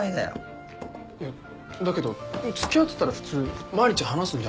いやだけど付き合ってたら普通毎日話すんじゃないの？